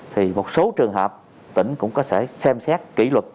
thì một số trường hợp tỉnh cũng có thể xem xét kỷ luật